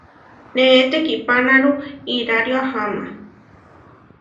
Neé tekihpánaru irário aháma.